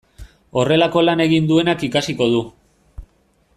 Horrelako lana egin duenak ikasiko du.